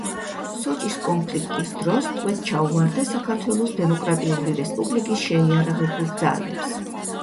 სოჭის კონფლიქტის დროს ტყვედ ჩაუვარდა საქართველოს დემოკრატიული რესპუბლიკის შეიარაღებულ ძალებს.